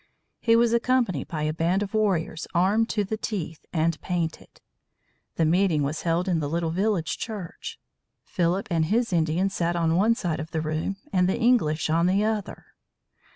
He was accompanied by a band of warriors armed to the teeth and painted. The meeting was held in the little village church. Philip and his Indians sat on one side of the room and the English on the other.